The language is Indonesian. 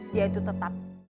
dia itu tetap